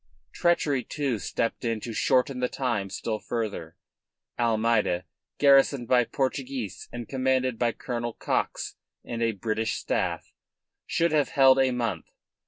Treachery, too, stepped in to shorten the time still further. Almeida, garrisoned by Portuguese and commanded by Colonel Cox and a British staff, should have held a month.